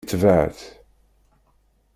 Itbeɛ-tt.